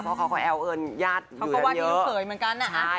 เพราะเขาแอวเอิญญาติอยู่นั้นเยอะ